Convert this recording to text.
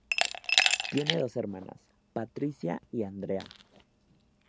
Tiene dos hermanas, Patricia y Andrea.